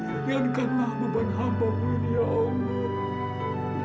ingatkanlah membuat hambamu ini allah